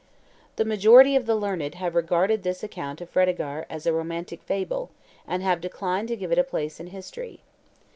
'" The majority of the learned have regarded this account of Fredegaire as a romantic fable, and have declined to give it a place in history.